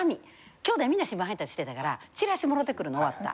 きょうだいみんな新聞配達してたからチラシもろてくるの終わった。